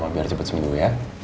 biar cepet sembuh ya